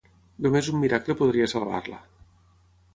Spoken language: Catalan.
Només un miracle podria salvar-la.